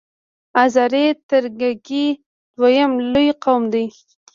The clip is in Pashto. آذری ترکګي دویم لوی قوم دی.